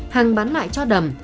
hàng bán lại cho đầm